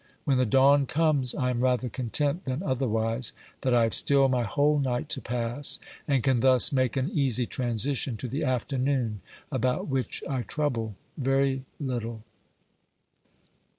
When the dawn comes I am rather content than otherwise that I have still my whole night to pass, and can thus make an easy transition to the afternoon, about which I trouble very little.